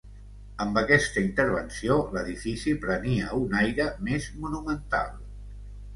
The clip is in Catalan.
Amb aquesta intervenció l'edifici prenia un aire més monumental.